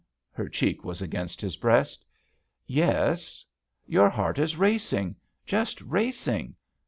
Her cheek was against his breast. "Yes." "Your heart is racing — ^just racing.